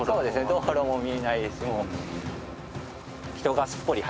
道路も見えないですし。